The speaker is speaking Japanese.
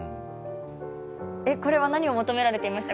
これは何を求められていました？